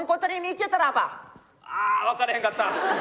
ああ分からへんかった！